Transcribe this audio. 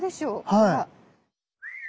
ほら。